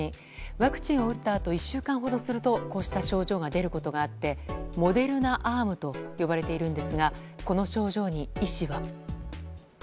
ワクチンを打ったあと１週間ほどするとこうした症状が出ることがあってモデルナ・アームと呼ばれているんですがこの症状に医師は。